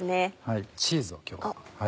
チーズを今日は。